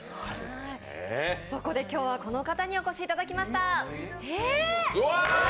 そこで今日は、この方にお越しいただきました。